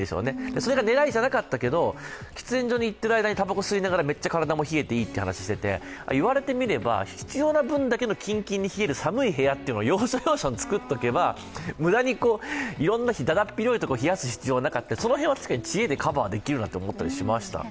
それが狙いじゃないんだけど喫煙所に行っている間にたばこを吸いながらめっちゃ体が冷えていいということで言われてみれば、必要な分だけのキンキンに冷える寒い部屋を要所要所に作っておけば、無駄にだだっぴろいところを冷やす必要はなくてその辺は知恵でカバーできるなと思ったりしました。